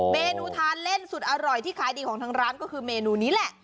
เมนูทานเล่นสุดอร่อยที่ขายดีของทางร้านก็คือเมนูนี้แหละ